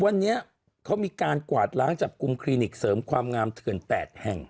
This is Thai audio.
วันนี้เขามีการกวาดล้างจับกลุ่มคลินิกเสริมความงามเถื่อน๘แห่ง